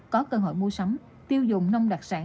có cơ hội mua sắm tiêu dùng nông đặc sản